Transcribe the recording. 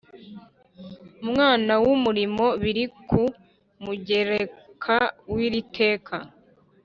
umwanya w umurimo biri ku mugereka w iri teka